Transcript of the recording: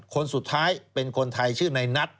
คนสุดท้ายเป็นคนไทยชื่อในนัท